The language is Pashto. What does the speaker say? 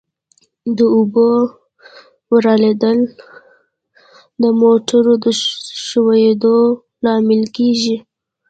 د اوبو ولاړېدل د موټرو د ښوئیدو لامل کیږي